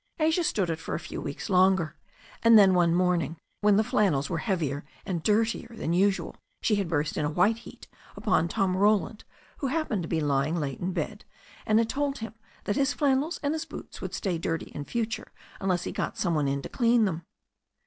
Asia stood it for a few weeks longer, and then one morn ing, when the flannels were heavier and dirtier than usual, she had burst in a white heat upon Tom Roland, who hap pened to be lying late in bed, and had told him that his flan nels and his boots would stay dirty in future unless he got some one in to clean them.